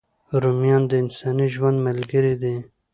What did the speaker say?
رومیان د انساني ژوند ملګري دي